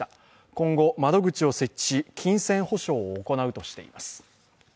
今後、窓口を設置し、金銭補償を行うとしています。